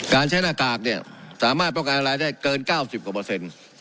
การใช้หน้ากากเนี่ยสามารถป้องกันรายได้เกิน๙๐กว่าเปอร์เซ็นต์